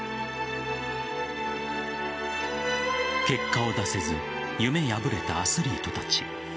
結果を出せず夢破れたアスリートたち。